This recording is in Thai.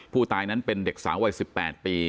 ผู้ตายนั้นเป็นเด็กสาววัย๑๘ปี